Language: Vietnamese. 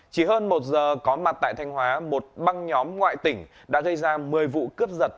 chỉ hơn một giờ có mặt tại thanh hóa một băng nhóm ngoại tỉnh đã gây ra một mươi vụ cướp giật